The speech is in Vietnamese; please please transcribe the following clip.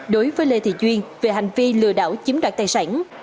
đối với lê thị duyên về hành vi lừa đảo chiếm đoạt tài sản